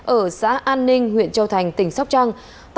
ở xã an ninh huyện châu thành tỉnh sóc trăng